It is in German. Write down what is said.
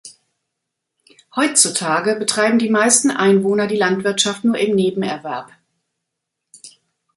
Heutzutage betreiben die meisten Einwohner die Landwirtschaft nur im Nebenerwerb.